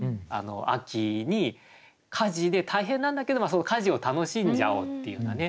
秋に家事で大変なんだけどその家事を楽しんじゃおうっていうようなね。